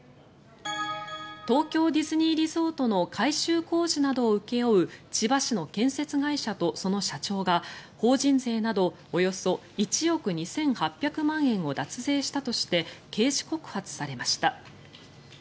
東京ディズニーリゾートの改修工事などを請け負う千葉市の建設会社とその社長が法人税などおよそ１億２８００万円を脱税したとして刑事告発されました。